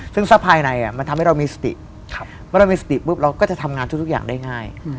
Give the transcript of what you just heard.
ซึ่งทรัพภายในมันทำให้เรามีสติเมื่อเรามีสติปุ๊บเราก็จะทำงานทุกอย่างได้ง่าย